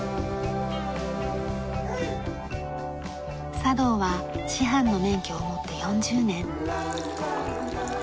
茶道は師範の免許を持って４０年。